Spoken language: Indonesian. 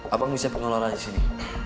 apa yang bisa pengelolaan disini